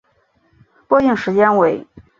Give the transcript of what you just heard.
播映时间为。